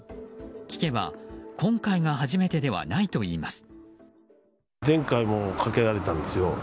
聞けば、今回が初めてではないといいます。